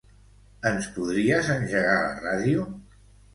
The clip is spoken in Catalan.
Ens podries engegar la ràdio?